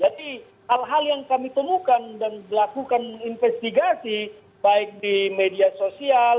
jadi hal hal yang kami temukan dan melakukan investigasi baik di media sosial